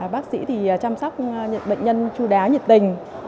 bác sĩ thì chăm sóc bệnh nhân chú đáo nhiệt tình